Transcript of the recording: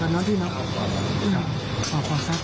กระเหตุการณ์ที่เกิดขึ้นอยากขอโฆษ์พ่อครัวเต็มเลยครับพี่